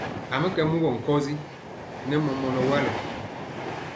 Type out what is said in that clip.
A mi kɛ mugɔ nkɔsi nɛ mɔmɔnɔ walɔ.